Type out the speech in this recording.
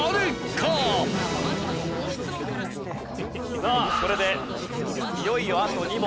さあこれでいよいよあと２問です。